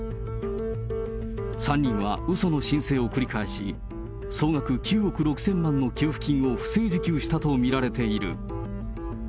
３人はうその申請を繰り返し、総額９億６０００万の給付金を不正受給したと見られている。